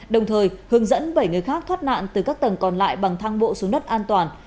đồng thời hướng dẫn bảy người khác thoát nạn từ các tầng còn lại bằng thang bộ xuống đất an toàn